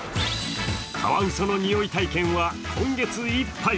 カワウソのにおい体験は今月いっぱい。